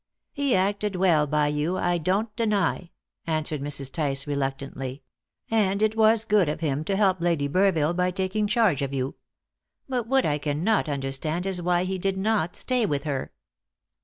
"He acted well by you, I don't deny," answered Mrs. Tice reluctantly; "and it was good of him to help Lady Burville by taking charge of you. But what I cannot understand is why he did not stay with her."